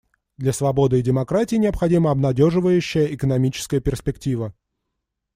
Для свободы и демократии необходима обнадеживающая экономическая перспектива.